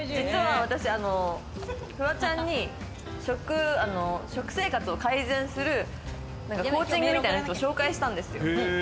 私、フワちゃんに食生活を改善するコーチングみたいな人を紹介したんですよ。